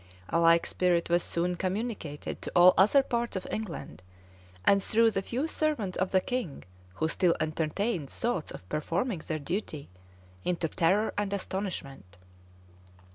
[] A like spirit was soon communicated to all other parts of England; and threw the few servants of the king, who still entertained thoughts of performing their duty, into terror and astonishment.